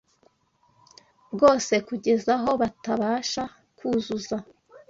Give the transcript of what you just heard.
bwose kugeza aho batabasha kuzuza